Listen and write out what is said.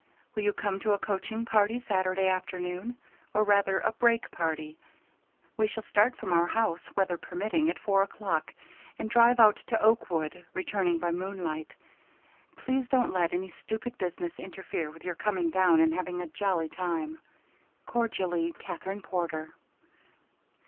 Will you come to a coaching party Saturday afternoon or rather a brake party? We shall start from our house, weather permitting, at four o'clock, and drive out to Oakwood, returning by moonlight. Please don't let any stupid business interfere with your coming down and having a jolly time. Cordially, KATHERINE PORTER.